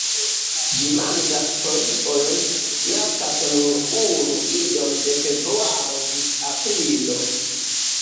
Ĝi manĝas foliojn, naskas nur unu idon de februaro ĝis aprilo.